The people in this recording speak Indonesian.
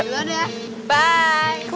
kayaknya alex suka sama aku